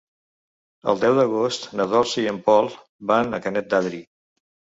El deu d'agost na Dolça i en Pol van a Canet d'Adri.